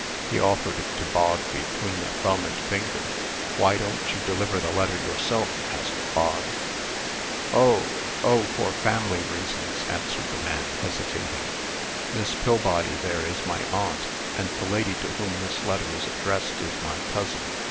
He offered it to Bog between a thumb and finger. "Why don't you deliver the letter yourself?" asked Bog. "Oh! oh! for family reasons," answered the man, hesitating. "Miss Pillbody there is my aunt, and the lady to whom this letter is addressed is my cousin.